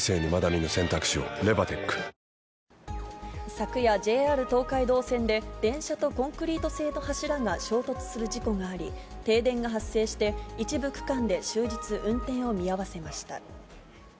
昨夜、ＪＲ東海道線で、電車とコンクリート製の柱が衝突する事故があり、停電が発生して、一部区間で終日、運転を見合わせました。